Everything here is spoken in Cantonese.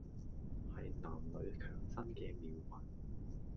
係男女強身嘅妙品